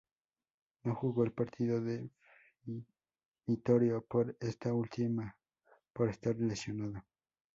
No jugó el partido definitorio por esta última por estar lesionado.